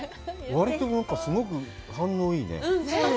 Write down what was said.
割とすごく反応がいいね。